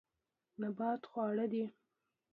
نبات خواړه دي.